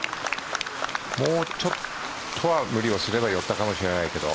もうちょっとは無理をすれば寄ったかもしれないけど。